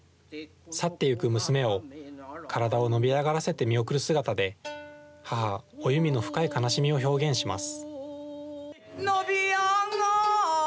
去ってゆく娘を、体を伸び上がらせて見送る姿で、母、お弓の深い悲しみを表現します。